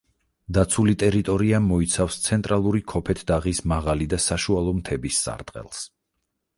დაცული ტერიტორია მოიცავს ცენტრალური ქოფეთდაღის მაღალი და საშუალო მთების სარტყელს.